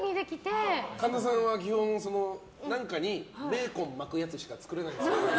神田さんは基本、何かにベーコン巻くやつしか作れないんですよ。